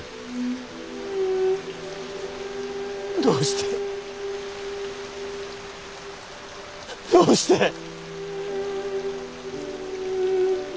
どうしてどうして。